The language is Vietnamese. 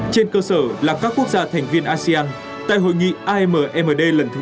trên cơ sở là các quốc gia thành viên asean tại hội nghị ammd lần thứ ba